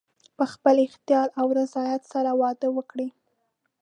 په خپل اختیار او رضایت سره واده وکړي.